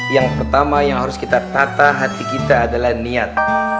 yang pertama yang harus kita tata hati kita adalah niat